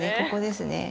ここですね。